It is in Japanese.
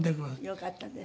よかったですね。